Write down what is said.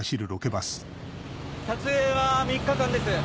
撮影は３日間です。